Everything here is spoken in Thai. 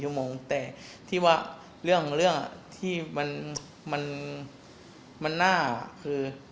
ชั่วโมงแต่ที่ว่าเรื่องที่มันน่าคือ